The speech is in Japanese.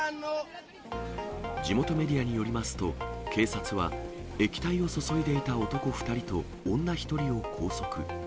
地元メディアによりますと、警察は液体を注いでいた男２人と女１人を拘束。